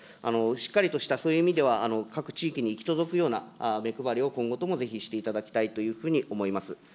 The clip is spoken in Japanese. しっかりとしたそういう意味では、各地域に行き届くような目配りを今後ともぜひしていただきたいというふうに思います。